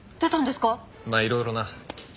まあいろいろな。